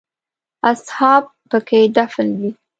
اصحاب په کې دفن دي.